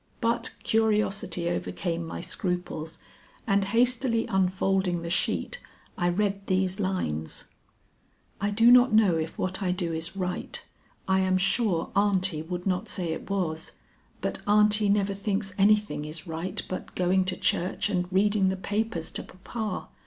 But curiosity overcame my scruples, and hastily unfolding the sheet I read these lines: "I do not know if what I do is right; I am sure aunty would not say it was; but aunty never thinks anything is right but going to church and reading the papers to papa.